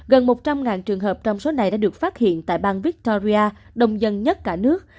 gần một trăm linh trường hợp trong số này đã được phát hiện tại bang victoria đông dân nhất cả nước